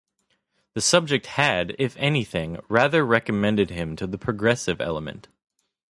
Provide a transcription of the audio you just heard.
The subject had, if anything, rather recommended him to the Progressive Element.